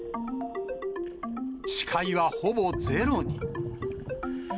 視界はほぼゼロに。